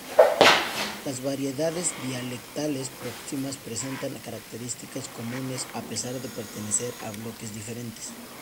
Las variedades dialectales próximas presentan características comunes a pesar de pertenecer a bloques diferentes.